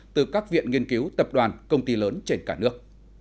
từ các viện nghiên cứu tập đoàn công ty lớn trên cả nước